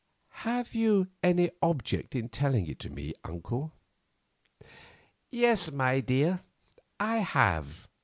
"Have you any object in telling it to me, uncle?" "Yes, my dear, I have.